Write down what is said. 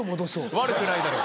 悪くないだろう。